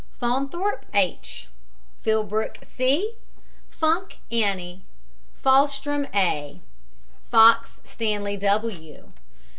FAUNTHORPE, H. FILLBROOK, C. FUNK, ANNIE. FAHLSTROM, A. FOX, STANLEY W.